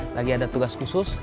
lagi ada tugas khusus